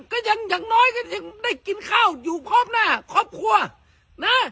ก็ยังอย่างน้อยก็ยังได้กินข้าวอยู่พร้อมหน้าครอบครัวนะ